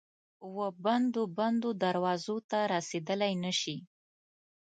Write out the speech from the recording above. وبندو، بندو دروازو ته رسیدلای نه شي